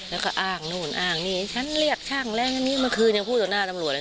แล้วก็อ้างนู่นอ้างนี่ฉันเรียกช่างแล้วอันนี้เมื่อคืนยังพูดต่อหน้าตำรวจเลย